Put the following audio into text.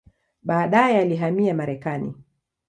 Baadaye alihamia Marekani.